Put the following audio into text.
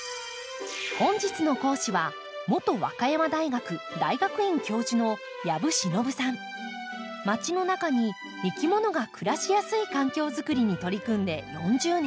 本日の講師は元和歌山大学大学院教授の街の中にいきものが暮らしやすい環境づくりに取り組んで４０年。